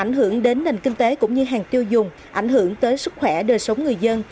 ảnh hưởng đến nền kinh tế cũng như hàng tiêu dùng ảnh hưởng tới sức khỏe đời sống người dân